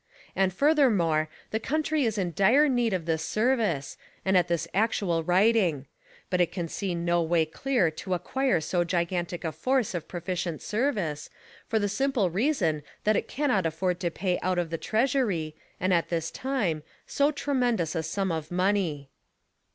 And, furthermore, the country is in dire need of this service, and at this actual writing; but it can see no way dear to acquire so gigantic a force of pro ficient service, for the simple reason that k cannot afford to pay out of the treasury, and at this time, so tremendous a sum of money.